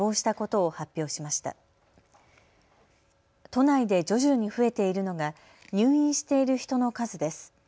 都内で徐々に増えているのが入院している人の数です。